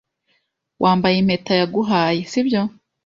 Wambaye impeta yaguhaye, sibyo?